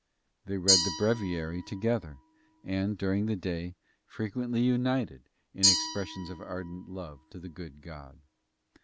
They read the breviary together and, during the day, frequently united in expressions of ardent love to the good God.